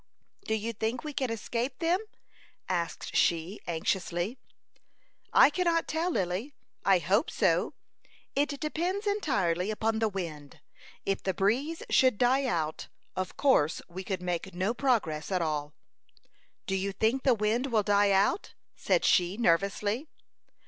"Do you think we can escape them?" asked she, anxiously. "I cannot tell, Lily. I hope so. It depends entirely upon the wind. If the breeze should die out, of course we could make no progress at all." "Do you think the wind will die out?" said she, nervously.